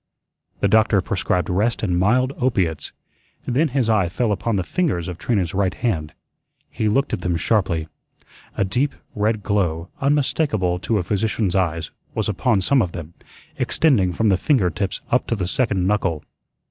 The doctor prescribed rest and mild opiates. Then his eye fell upon the fingers of Trina's right hand. He looked at them sharply. A deep red glow, unmistakable to a physician's eyes, was upon some of them, extending from the finger tips up to the second knuckle.